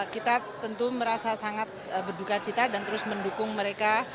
kita tentu merasa sangat berduka cita dan terus mendukung mereka